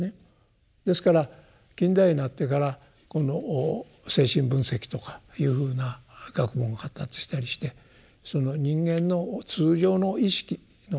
ですから近代になってからこの精神分析とかいうふうな学問が発達したりして人間の通常の意識の底にですね